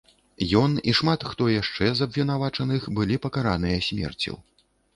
Ён і шмат хто яшчэ з абвінавачаных былі пакараныя смерцю.